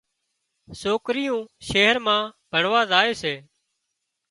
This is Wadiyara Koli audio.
سوڪريون شهر مان ڀڻوا زائي سي